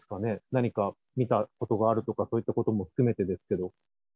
何か見たことがあるとかそういうことも含めてですけど。